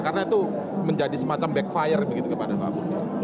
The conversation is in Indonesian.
karena itu menjadi semacam backfire begitu kepada mbak putih